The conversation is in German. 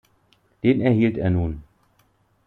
Den erhielt er nun.